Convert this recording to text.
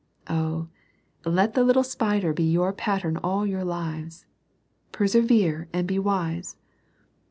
Oh, let the little spider be your pattern all your lives ! Persevere and be wise.